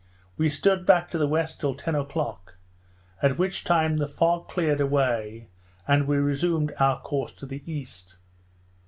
We stood back to the west till ten o'clock; at which time the fog cleared away, and we resumed our course to the east.